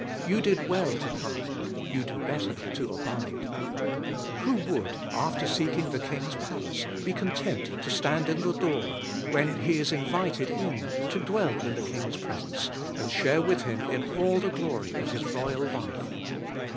You did well to come; you do better to abide. Who would, after seeking the King's palace, be con tent to stand in the door, when he is invited in to dwell in the King's presence, and share with Him in all the glory of His royal life?